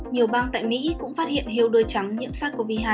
nhiều bang tại mỹ cũng phát hiện hiếu đuôi trắng nhiễm sát covid hai